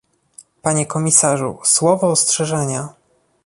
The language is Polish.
Panie komisarzu, słowo ostrzeżenia